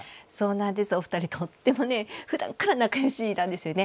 お二人とてもふだんから仲よしなんですよね。